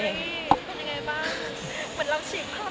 เป็นยังไงบ้างเหมือนเราชิงภาพกันเลย